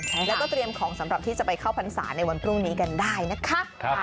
แล้วก็เตรียมของสำหรับที่จะไปเข้าพรรษาในวันพรุ่งนี้กันได้นะคะ